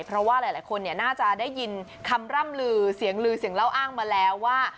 เพราะว่าหลายคนน่าจะได้ยินคำร่ำลือเสียงลือเสียงเล่าอ้างมาแล้วว่า